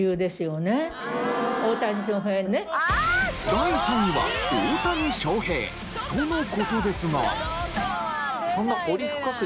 第３位は大谷翔平との事ですが。